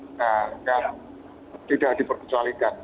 nah yang tidak diperkecualikan